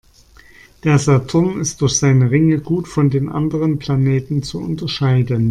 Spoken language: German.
Der Saturn ist durch seine Ringe gut von den anderen Planeten zu unterscheiden.